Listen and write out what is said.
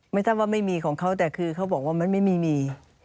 ทราบว่าไม่มีของเขาแต่คือเขาบอกว่ามันไม่มี